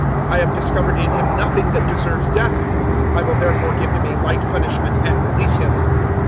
I have discovered in him nothing that deserves death. I will therefore give him a light punishment and release him."